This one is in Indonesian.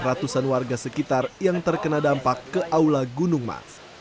ratusan warga sekitar yang terkena dampak ke aula gunung mas